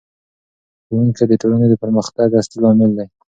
ښوونکی د ټولنې د پرمختګ اصلي لامل دی.